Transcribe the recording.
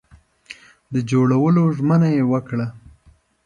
د جوړولو ژمنه یې وکړه.